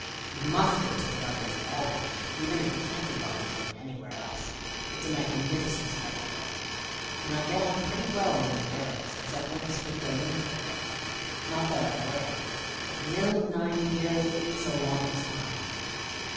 You must go to the Governor's ball with me, even if you can't be bothered going anywhere else. It's a magnificent spectacle. And I get on pretty well among the Arabs, as I've learned to speak their lingo a bit. Not that I've worried. But nearly nine years is a long time."